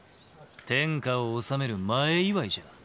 天下を治める前祝いじゃ！